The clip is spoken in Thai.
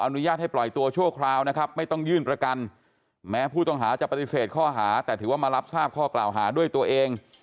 ไม่ใช่ว่าจะปฏิเสธข้อหาแต่ถือว่ามารับทราบข้อกล่าวหาด้วยตัวเอง